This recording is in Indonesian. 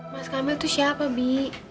mas kamil tuh siapa bi